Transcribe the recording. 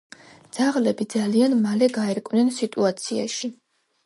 ძაღლები ძალიან მალე გაერკვნენ სიტუაციაში.